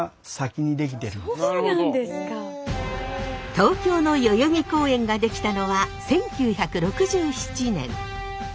東京の代々木公園ができたのは１９６７年。